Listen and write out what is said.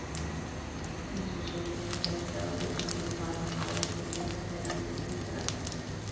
En sus orígenes aislado del centro urbano, ahora se encuentra plenamente integrado.